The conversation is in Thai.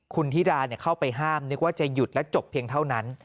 คุณธิดาเข้าไปห้ามนึกว่าจะหยุดและจบเพียงเท่านั้น